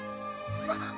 あっ。